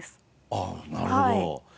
ああなるほど。